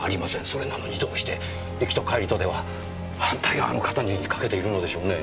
それなのにどうして行きと帰りとでは反対側の肩に掛けているのでしょうね？